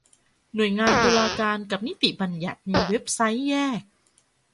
หน่วยงานตุลาการกับนิติบัญญัติมีเว็บไซต์แยก